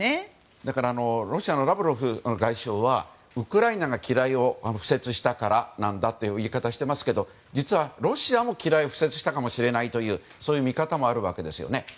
だから、ロシアのラブロフ外相はウクライナが機雷を敷設したからなんだという言い方をしていますけど実は、ロシアも機雷を敷設したかもしれないというそういう見方もあるわけですよね。